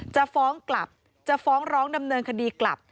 จะฟ้องกลับจะฟ้องร้องดำเนินคดีกลับ